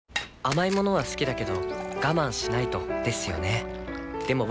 甘い物は好きだけど我慢しないとですよね